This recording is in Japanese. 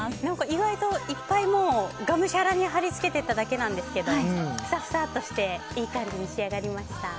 意外といっぱい、がむしゃらに貼り付けただけですがふさふさとしていい感じに仕上がりました。